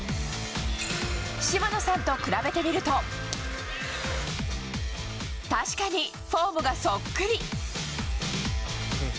島野さんと比べてみると確かにフォームがそっくり。